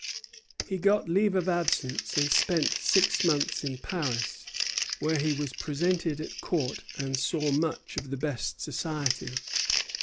He got leave of absence, and spent six months in Paris, where he was presented at Court and saw much of the best society.